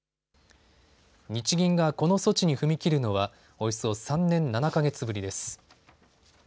日銀がこの措置に踏み切るのはおよそ３年７か月ぶりです。